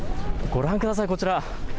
ご覧ください、こちら。